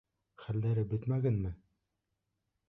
Хәлдәре бөтмәгәнме?